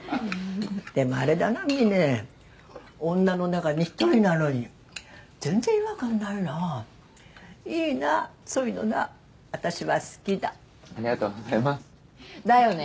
でもあれだなみね女の中に１人なのに全然違和感ないないいなそういうのな私は好きだありがとうございますだよね